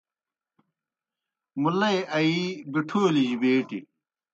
مُلئی آیِی بِٹَھولیْ جیْ بیٹیْ۔